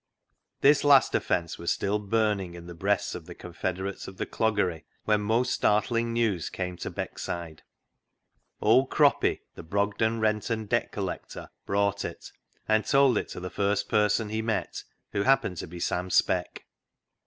This last offence was still burning in the breasts of the confederates of the cloggery, when most startling news came to Beckside. Old Croppy, the Brogden rent and debt col lector, brought it, and told it to the first person he met, who happened to be Sam Speck.